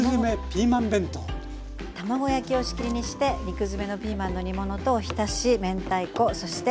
卵焼きを仕切りにして肉詰めのピーマンの煮物とおひたし明太子そして